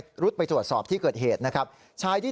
ชายที่ถูกแทงอาการสาหัตถ์ก็คือนายวุฒิชัยสบายแท้อายุ๒๓ปี